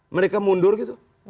mereka mundur gitu